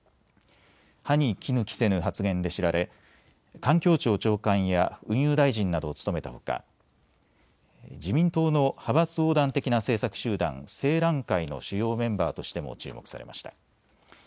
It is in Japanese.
歯に衣着せぬ発言で知られ環境庁長官や運輸大臣などを務めたほか自民党の派閥横断的な政策集団、青嵐会の主要メンバーとしても注目されました。